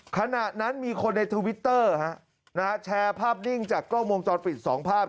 ขณะนั้นมีคนในทวิตเตอร์แชร์ภาพนิ่งจากกล้องวงจรปิด๒ภาพ